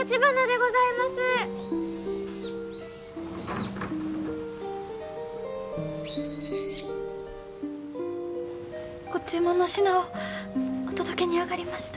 ご注文の品をお届けにあがりました。